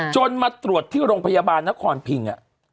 มาตรวจที่โรงพยาบาลนครพิง